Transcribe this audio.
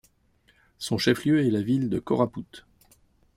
Son chef-lieu est la ville de Koraput.